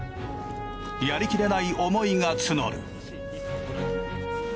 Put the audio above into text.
やりきれない思いが募る。